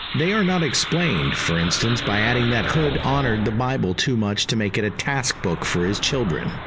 They are not explained, for instance, by adding that Hood honored the Bible too much to make it a task book for his children.